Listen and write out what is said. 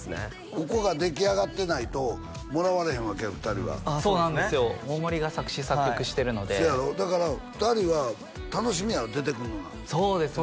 ここが出来上がってないともらわれへんわけや２人はそうなんですよ大森が作詞作曲してるのでそうやろだから２人は楽しみやろ出てくるのがそうですね